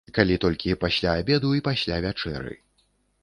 Калі толькі пасля абеду і пасля вячэры.